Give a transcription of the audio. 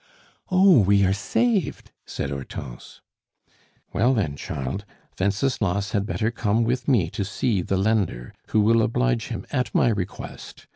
"Oh, we are saved!" said Hortense. "Well, then, child, Wenceslas had better come with me to see the lender, who will oblige him at my request.